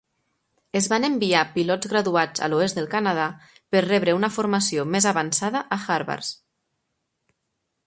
Es van enviar pilots graduats a l'oest del Canadà per rebre una formació més avançada a Harvards.